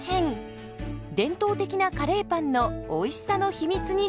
伝統的なカレーパンのおいしさの秘密に迫ります。